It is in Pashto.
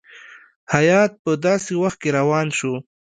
هیات په داسي وخت کې روان شو.